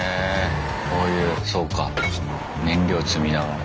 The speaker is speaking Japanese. こういうそうか燃料積みながら。